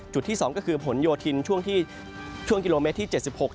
จุดที่๒ก็คือผลโยธินช่วงกิโลเมตรที่๗๖